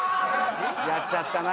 やっちゃったな。